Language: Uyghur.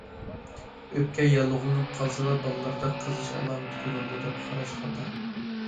ئۆپكە ياللۇغلىنىپ قالسىلا بالىلاردا قىزىش ئالامىتى كۆرۈلىدۇ، دەپ قاراش خاتا.